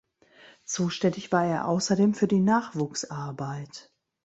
Zuständig war er außerdem für die Nachwuchsarbeit.